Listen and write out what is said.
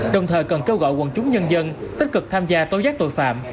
đồng thời cần kêu gọi quần chúng nhân dân tích cực tham gia tố giác tội phạm